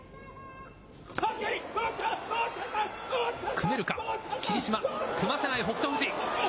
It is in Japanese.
組めるか、霧島、組ませない北勝富士。